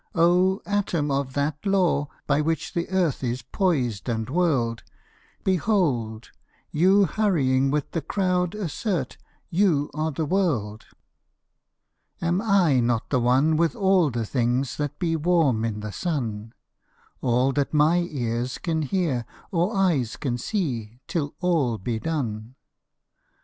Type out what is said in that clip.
"O atom of that law, by which the earth Is poised and whirled; Behold! you hurrying with the crowd assert You are the world." Am I not one with all the things that be Warm in the sun? All that my ears can hear, or eyes can see, Till all be done.